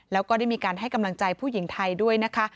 แล้วก็ได้มีการให้กำลังใจผู้หญิงไทยด้วยนะคะ